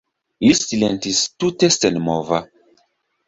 Li silentis tute senmova.